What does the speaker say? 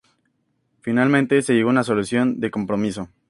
Finalmente se llegó a una solución de compromiso.